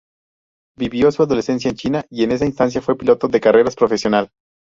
Vivió su adolescencia en China, y en esa instancia, fue piloto de carreras profesional.